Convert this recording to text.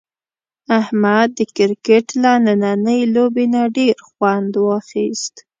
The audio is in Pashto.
احمد د کرکټ له نننۍ لوبې نه ډېر خوند واخیست.